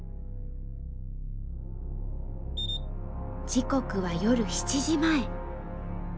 時刻は夜７時前。